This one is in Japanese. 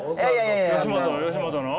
吉本の？